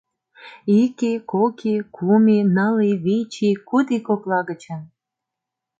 Ик ий, кок ий, кум ий, ныл ий, вич ий, куд ий кокла гычын